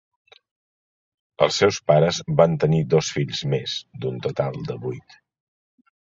Els seus pares van tenir dos fills més, d'un total de vuit.